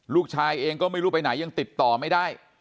ลูกชายเองก็ไม่รู้ไปไหนยังติดต่อไม่ได้